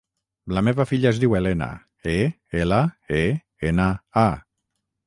La meva filla es diu Elena: e, ela, e, ena, a.